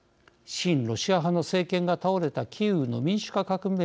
親ロシア派の政権が倒れたキーウの民主化革命